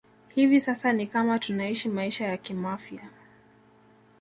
Hivi sasa ni kama tunaishi maisha ya kimafia